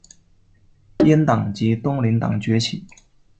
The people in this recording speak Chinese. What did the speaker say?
阉党及东林党崛起。